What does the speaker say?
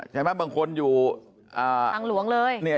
ใช่ไหมบางคนอยู่ทางหลวงเลย